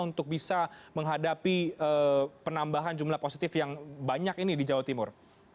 untuk bisa menghadapi penambahan jumlah positif yang banyak ini di jawa timur